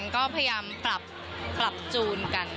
ก็พยายามปรับจูนกัน